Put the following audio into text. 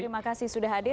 terima kasih sudah hadir